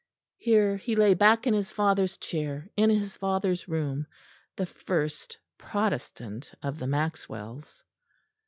Here he lay back in his father's chair, in his father's room, the first Protestant of the Maxwells.